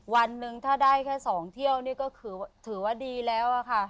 วันหนึ่งถ้าได้แค่๒เที่ยวนี่ก็ถือว่าดีแล้วอะค่ะ